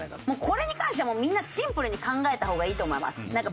これに関してはみんなシンプルに考えた方がいいと思います。